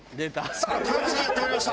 さあ豊橋にやってまいりました。